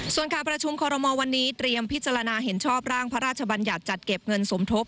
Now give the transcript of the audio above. ส่วนการประชุมคอรมอลวันนี้เตรียมพิจารณาเห็นชอบร่างพระราชบัญญัติจัดเก็บเงินสมทบ